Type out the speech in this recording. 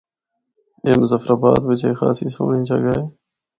اے مظفرآباد بچ ہک خاصی سہنڑی جگہ ہے۔